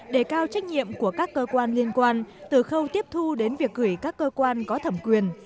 để cao trách nhiệm của các cơ quan liên quan từ khâu tiếp thu đến việc gửi các cơ quan có thẩm quyền